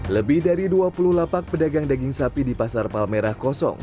lebih dari dua puluh lapak pedagang daging sapi di pasar palmerah kosong